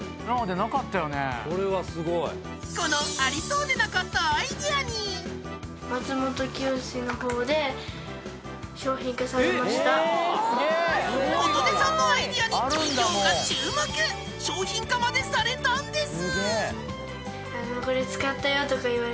これはすごいありそうでなかったわあええすげえ琴音さんのアイディアに企業が注目商品化までされたんです